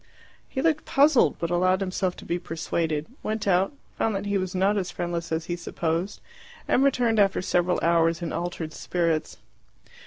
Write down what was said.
He looked puzzled, but allowed himself to be persuaded, went out, found that he was not as friendless as he supposed, and returned after several hours in altered spirits.